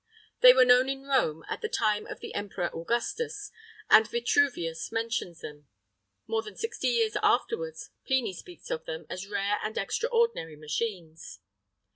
They were known in Rome at the time of the Emperor Augustus, and Vitruvius mentions them.[III 31] More than sixty years afterwards, Pliny speaks of them as rare and extraordinary machines.